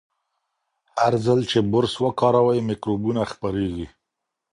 هر ځل چې برس وکاروئ، میکروبونه خپریږي.